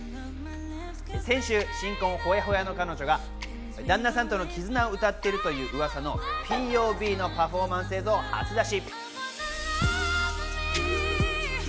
先週、新婚ホヤホヤの彼女が旦那さんとの絆を歌っているという噂の金曜日のパフォーマンス映像を初だし。